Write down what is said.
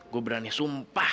gue berani sumpah